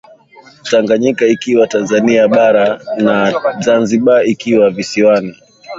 Tanganyika ikawa Tanzania bara na Zanzibar ikawa visiwani